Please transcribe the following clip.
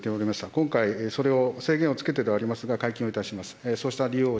今回、それを制限をつけてではありますが、解禁をいたします。